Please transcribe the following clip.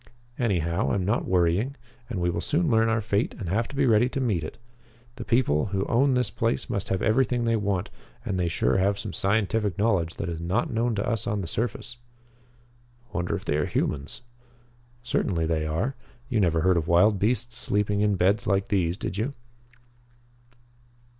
Anyhow, I'm not worrying, and we will soon learn our fate and have to be ready to meet it. The people who own this place must have everything they want, and they sure have some scientific knowledge that is not known to us on the surface." "Wonder if they are humans?" "Certainly they are. You never heard of wild beasts sleeping in beds like these, did you?"